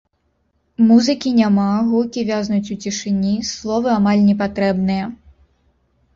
Музыкі няма, гукі вязнуць у цішыні, словы амаль не патрэбныя.